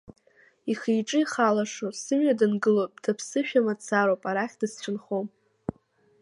Ихы-иҿы ихалашо сымҩа дангылоуп, даԥсышәа мацароуп, арахь, дысцәынхом.